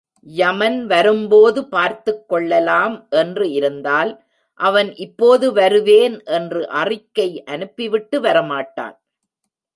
யமன் வரும்போது பார்த்துக் கொள்ளலாம் என்று இருந்தால், அவன் இப்போது வருவேன் என்று அறிக்கை அனுப்பிவிட்டு வர மாட்டான்.